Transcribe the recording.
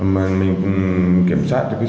mình kiểm soát